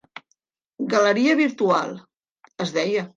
"Galeria Virtual", es deia.